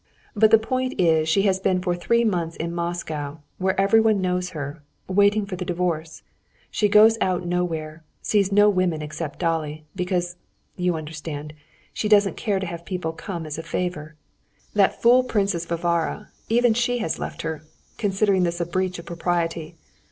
But the point is she has been for three months in Moscow, where everyone knows her, waiting for the divorce; she goes out nowhere, sees no woman except Dolly, because, do you understand, she doesn't care to have people come as a favor. That fool Princess Varvara, even she has left her, considering this a breach of propriety.